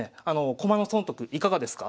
駒の損得いかがですか？